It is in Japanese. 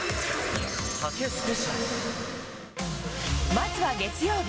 まずは月曜日。